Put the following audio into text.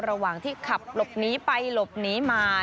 ระหว่างที่ขับหลบหนีไปหลบหนีมา